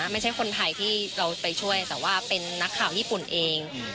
ไม่ใช่คนไทยที่เราไปช่วยแต่ว่าเป็นนักข่าวญี่ปุ่นเอง